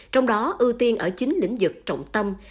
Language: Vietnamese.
trong đó ưu tiên ở chín lĩnh vực trọng tâm